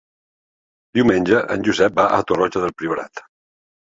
Diumenge en Josep va a Torroja del Priorat.